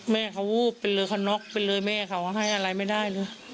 แม่เขาวูบเป็นเรือขนน็อกเป็นเรือแม่เขาให้อะไรไม่ได้เลย